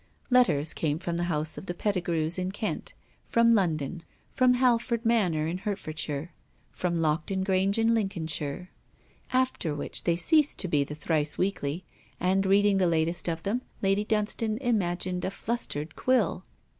Letters came from the house of the Pettigrews in Kent; from London; from Halford Manor in Hertfordshire; from Lockton Grange in Lincolnshire: after which they ceased to be the thrice weekly; and reading the latest of them, Lady Dunstane imagined a flustered quill.